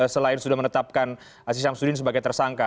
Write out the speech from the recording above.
selain sudah menetapkan aziz syamsudin sebagai tersangka